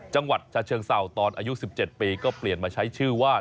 จังหวัดชะเชิงเศร้าตอนอายุ๑๗ปีก็เปลี่ยนมาใช้ชื่อว่า